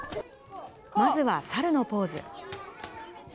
まずは猿のポーズ。